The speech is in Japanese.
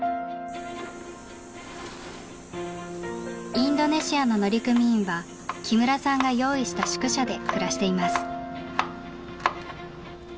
インドネシアの乗組員は木村さんが用意した宿舎で暮らしています。